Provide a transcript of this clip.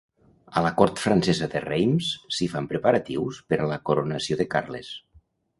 A la cort francesa de Reims s'hi fan preparatius per a la coronació de Carles.